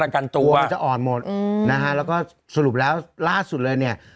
กลัวจะอ่อนหมดแล้วก็สรุปแล้วล่าสุดเลยเนี่ย